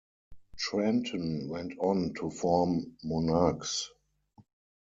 Trenton went on to form Monarques.